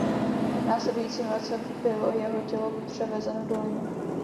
V následujícím roce bylo jeho tělo převezeno do Limy.